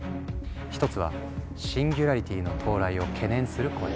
一つはシンギュラリティの到来を懸念する声。